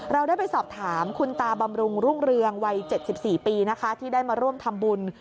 เราได้ไปสอบถามคุณตาบำรุงรุ่งเรืองวัย๗๔ปีนะคะที่ได้มาร่วมทำบุญ